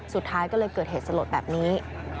สุดท้ายก็เลยเกิดเหตุสลดแบบนี้